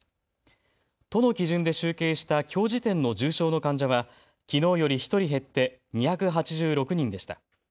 都の基準で集計したきょう時点の重症の患者はきのうより１人減って２８６人でした。